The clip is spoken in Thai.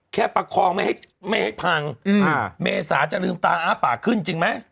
ประคองไม่ให้ไม่ให้พังเมษาจะลืมตาอ้าปากขึ้นจริงไหม